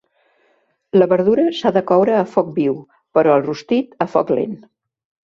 La verdura s'ha de coure a foc viu, però el rostit a foc lent.